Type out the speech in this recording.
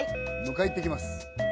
迎え行ってきます